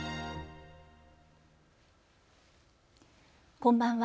こんばんは。